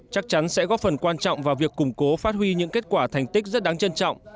chắc chắn sẽ góp phần quan trọng vào việc củng cố phát huy những kết quả thành tích rất đáng trân trọng